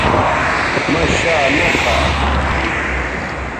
مہ شا نہ کھا